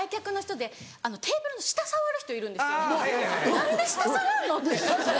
何で下触んの⁉って。